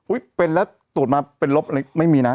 เป็นแล้วตรวจมาเป็นลบอะไรไม่มีนะ